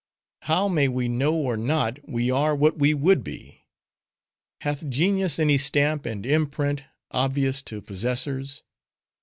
how may we know or not, we are what we would be? Hath genius any stamp and imprint, obvious to possessors?